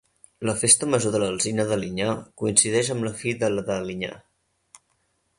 La festa Major de l'Alzina d'Alinyà coincideix amb la fi de la d'Alinyà.